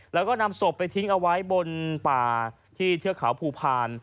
แล้วก็นำศพไปทิ้งเอาไว้บนป่าที่เทือกเขาภูพาล